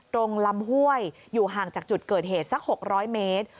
ลำห้วยอยู่ห่างจากจุดเกิดเหตุสัก๖๐๐เมตร